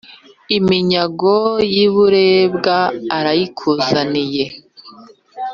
iminyago y'i burebwa arayikuzaniye.